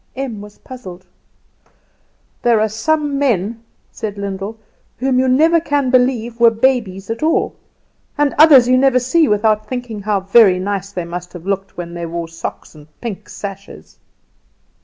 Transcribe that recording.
Em was puzzled. "There are some men," said Lyndall, "whom you never can believe were babies at all; and others you never see without thinking how very nice they must have looked when they wore socks and pink sashes."